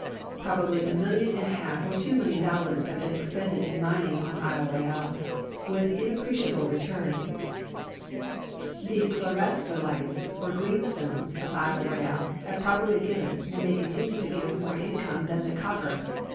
Probably a million and a half or two million dollars have been expended in mining on Isle Royal with inapprecial)le return. The chlorastrolites or greenstones of Isle Royal have probably given and may continue to give more income than the copj)er.